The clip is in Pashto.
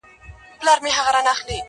د دې نوي کفن کښ کیسه جلا وه؛